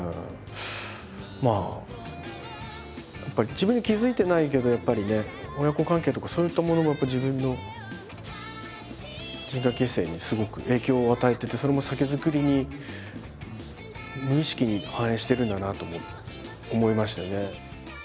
まあやっぱり自分で気付いてないけどやっぱりね親子関係とかそういったものもやっぱり自分の人格形成にすごく影響を与えててそれも酒造りに無意識に反映してるんだなとも思いましたよね。